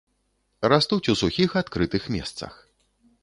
Растуць у сухіх адкрытых месцах.